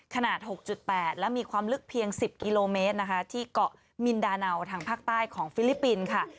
ขนาด๖๘และมีความลึกเพียง๑๐กิโลเมตรนะคะที่เกาะมินดาเนาทางภาคใต้ของฟิลิปปินส์ค่ะ